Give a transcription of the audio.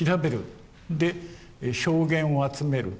で証言を集める。